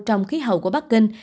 trong khí hậu của bắc kinh